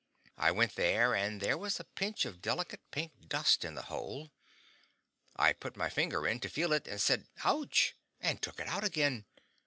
I went there, and there was a pinch of delicate pink dust in the hole. I put my finger in, to feel it, and said OUCH! and took it out again.